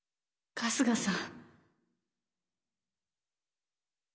春日さん。